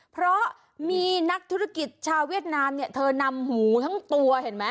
เพราะมีนักธุรกิจชาวเวียดนามเนี่ยเธอนำหูทั้งตัวเห็นไหม